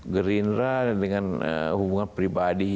green rail dengan hubungan pribadi